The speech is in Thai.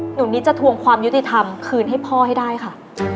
นิดจะทวงความยุติธรรมคืนให้พ่อให้ได้ค่ะ